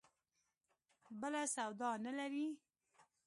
بله سودا نه لري.